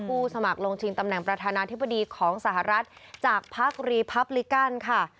สมัครลงชิงตำแหน่งประธานาธิบดีของสหรัฐจากพักรีพับลิกันค่ะ